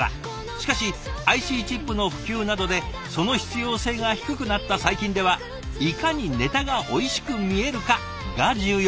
しかしＩＣチップの普及などでその必要性が低くなった最近ではいかにネタがおいしく見えるかが重要に。